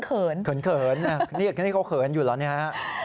เขินเมื่อกี้นี่เขาเขินอยู่แล้ว